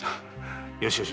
よしよし